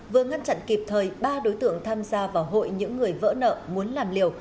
vừa ngăn chặn kịp thời ba đối tượng tham gia vào hội những người vỡ nợ muốn làm liều